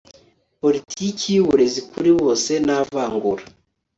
politiki y uburezi kuri bose nta vangura